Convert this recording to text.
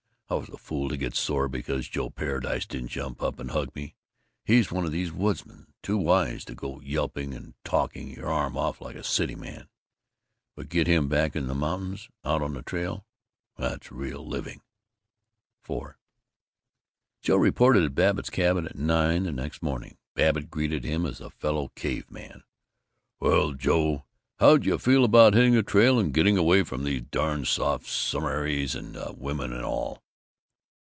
I was a fool to get sore because Joe Paradise didn't jump up and hug me. He's one of these woodsmen; too wise to go yelping and talking your arm off like a cityman. But get him back in the mountains, out on the trail ! That's real living!" IV Joe reported at Babbitt's cabin at nine the next morning. Babbitt greeted him as a fellow caveman: "Well, Joe, how d'you feel about hitting the trail, and getting away from these darn soft summerites and these women and all?"